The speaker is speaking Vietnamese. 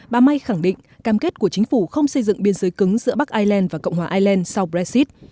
bà may khẳng định cam kết của chính phủ không xây dựng biên giới cứng giữa bắc ireland và cộng hòa ireland sau brexit